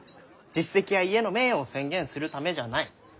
実績や家の名誉を宣言するためじゃない。